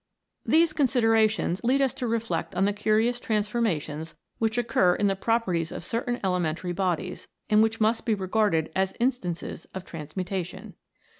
These considerations lead us to reflect on the curious transformations which occur in the proper ties of certain elementary bodies, and which must be regarded as instances of transmutation.